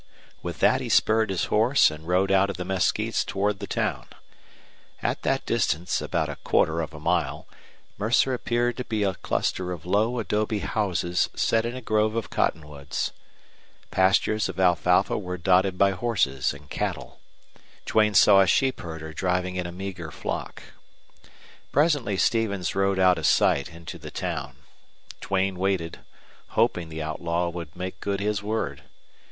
With that he spurred his horse and rode out of the mesquites toward the town. At that distance, about a quarter of a mile, Mercer appeared to be a cluster of low adobe houses set in a grove of cottonwoods. Pastures of alfalfa were dotted by horses and cattle. Duane saw a sheep herder driving in a meager flock. Presently Stevens rode out of sight into the town. Duane waited, hoping the outlaw would make good his word.